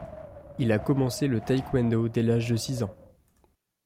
Il a commencé le taekwondo dès l’âge de six ans.